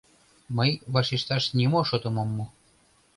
Мый вашешташ нимо шотым ом му.